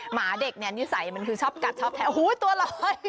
หมาเด็กเนี่ยเนี่ยอะนี่ใส่คือชอบกัดชอบแท้โอ้โหตัวหลอย